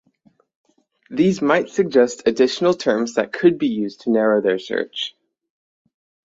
These might suggest additional terms that could be used to narrow their search.